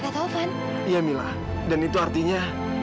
kak tovan iya mila dan itu artinya